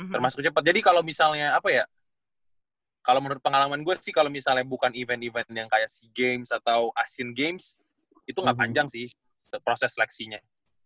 termasuk cepat jadi kalau misalnya apa ya kalau menurut pengalaman gue sih kalau misalnya bukan event event yang kayak sea games atau asian games itu gak panjang sih proses seleksinya